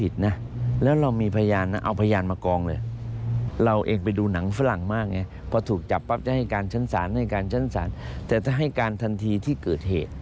แต่ถ้าให้การทันทีที่เกิดเหตุ